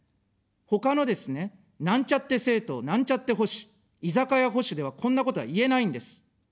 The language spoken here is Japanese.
ほかのですね、なんちゃって政党、なんちゃって保守、居酒屋保守では、こんなことは言えないんです。